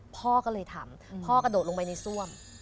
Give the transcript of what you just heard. พอก็โดดลงไปในซ่วม